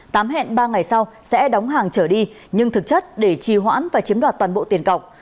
tám hẹn ba ngày sau sẽ đóng hàng trở đi nhưng thực chất để trì hoãn và chiếm đoạt toàn bộ tiền cọc